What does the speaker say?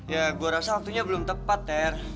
ya gue rasa waktunya belum tepat ya